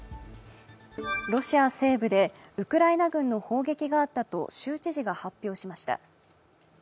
ロシア西部でウクライナ軍の砲撃があったと州知事が発表しました。